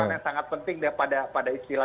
yang sangat penting pada istilah